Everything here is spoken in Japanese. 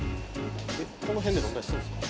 この辺で飲んだりするんすか？